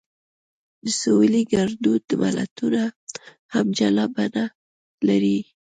د سویلي ګړدود متلونه هم جلا بڼه لري